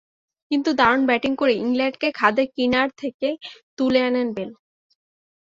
কিন্তু দারুণ ব্যাটিং করে ইংল্যান্ডকে খাদের কিনার থেকে তুলে আনেন বেল।